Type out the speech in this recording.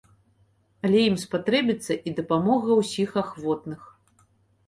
Але ім спатрэбіцца і дапамога ўсіх ахвотных.